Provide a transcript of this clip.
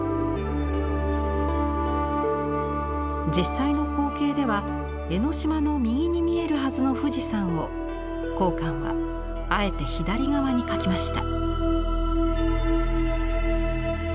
実際の光景では江ノ島の右に見えるはずの富士山を江漢はあえて左側に描きました。